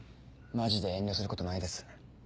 マジで遠慮することないです。